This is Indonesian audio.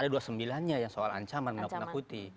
ada dua puluh sembilan nya yang soal ancaman menakut nakuti